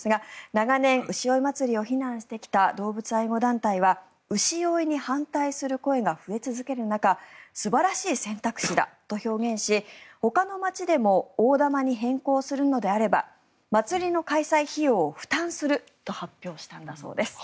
長年、牛追い祭りを非難してきた動物愛護団体は牛追いに反対する声が増え続ける中素晴らしい選択肢だと表現しほかの街でも大玉に変更するのであれば祭りの開催費用を負担すると発表したんだそうです。